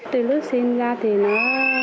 từ lúc sinh ra thì nó